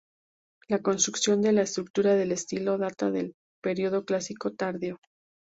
La construcción de la estructura del sitio data del Periodo Clásico Tardío.